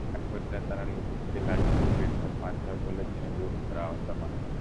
একপর্যায়ে তাঁরা লতিফকে লাঠি দিয়ে বেধড়ক মারধর করলে তিনি গুরুতর আহত হন।